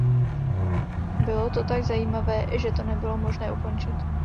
Bylo to tak zajímavé, že to nebylo možné ukončit!